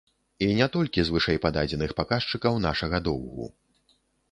І не толькі з вышэйпададзеных паказчыкаў нашага доўгу.